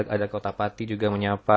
ada kota pati juga menyapa